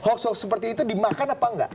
hoax hoax seperti itu dimakan apa enggak